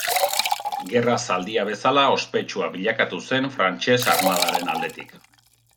Gerra zaldia bezala ospetsua bilakatu zen Frantses armadaren aldetik.